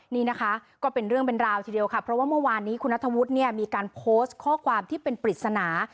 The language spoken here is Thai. นี่นะคะก็เป็นเรื่องเป็นราวทีเดียวค่ะเพราะว่าเมื่อวานนี้คุณนัทธวุฒิเนี่ยมีการโพสต์ข้อความที่เป็นปริศนา